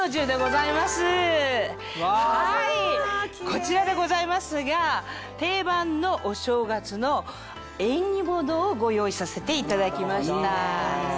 こちらでございますが定番のお正月の縁起物をご用意させていただきました。